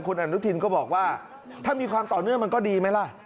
คุณอนุทินก็บอกว่าถ้ามีความต่อเนื่องมันก็ดีไหมล่ะ